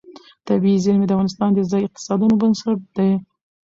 طبیعي زیرمې د افغانستان د ځایي اقتصادونو بنسټ دی.